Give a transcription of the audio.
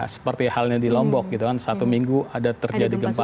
seperti halnya di lombok gitu kan satu minggu ada terjadi gempa